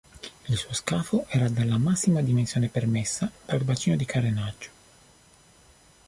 Il suo scafo era della massima dimensione permessa dal bacino di carenaggio.